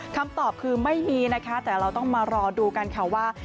คำตอบคือไม่มีนะคะแต่เราต้องมารอดูกันค่ะว่า